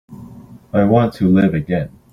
I want to live again.